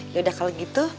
yaudah kalo gitu